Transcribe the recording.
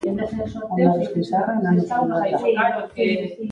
Hondarrezko izarra nano zuri bat da.